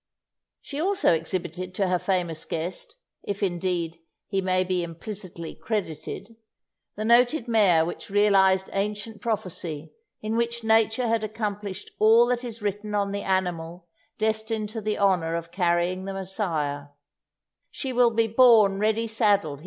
She also exhibited to her famous guest, if, indeed, he may be implicitly credited, the noted mare which realized ancient prophecy, in which nature had accomplished all that is written on the animal destined to the honour of carrying the Messiah "She will be born ready saddled."